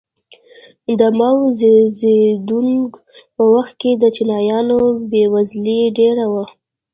د ماوو زیدونګ په وخت کې د چینایانو بېوزلي ډېره وه.